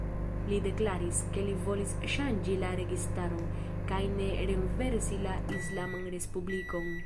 Li deklaris, ke li volis ŝanĝi la registaron, kaj ne renversi la islaman respublikon.